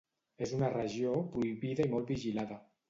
És una regió prohibida i molt vigilada.